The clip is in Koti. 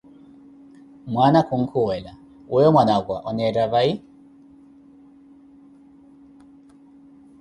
Mwaana kunkhuwela: Weyo Mwanapwa, oneettha vai?